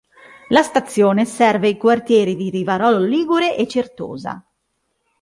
La stazione serve i quartieri di Rivarolo Ligure e Certosa.